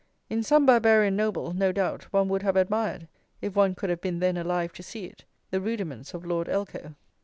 In some Barbarian noble, no doubt, one would have admired, if one could have been then alive to see it, the rudiments of Lord Elcho.